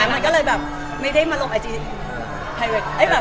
มันก็เลยไม่ได้มาลงไอจีของเรา